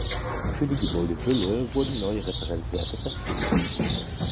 Für die Gebäudehülle wurden neue Referenzwerte festgelegt.